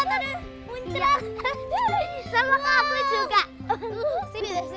kamu banyak banget aduh